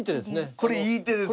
これいい手です！